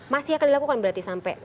masih akan dilakukan berarti sampai